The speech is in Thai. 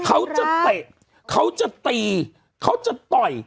เตะเขาจะตีเขาจะต่อย